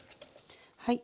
はい。